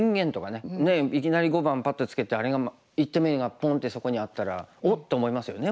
ねえいきなり碁盤パッとつけてあれが１手目がポンってそこにあったら「おっ！」って思いますよね